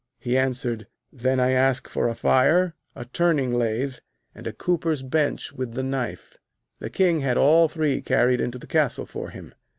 He answered: 'Then I ask for a fire, a turning lathe, and a cooper's bench with the knife.' The King had all three carried into the castle for him.